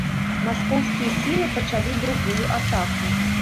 Маскоўскія сілы пачалі другую атаку.